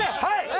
はい！